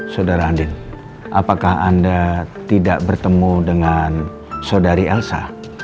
saudara andi apakah anda tidak bertemu dengan saudari elsa